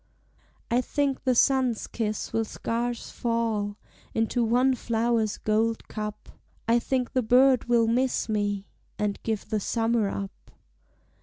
I think the sun's kiss will scarce fall Into one flower's gold cup; I think the bird will miss me, And give the summer up.